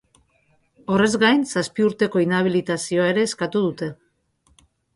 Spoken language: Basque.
Horrez gain, zazpi urteko inhabilitazioa ere eskatu dute.